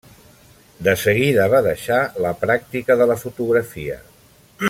De seguida va deixar la pràctica de la fotografia.